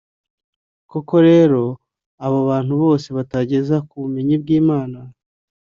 Koko rero, abo bantu bose batageze ku bumenyi bw’Imana,